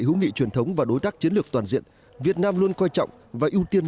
hữu nghị truyền thống và đối tác chiến lược toàn diện việt nam luôn coi trọng và ưu tiên